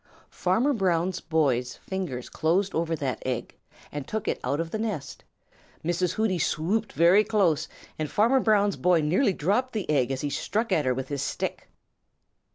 Farmer Brown's boy's fingers closed over that egg and took it out of the nest. Mrs. Hooty swooped very close, and Farmer Brown's boy nearly dropped the egg as he struck at her with his stick.